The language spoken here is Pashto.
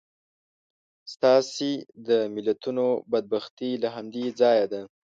ستاسې د ملتونو بدبختي له همدې ځایه ده.